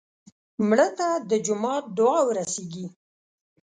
مړه ته د جومات دعا ورسېږي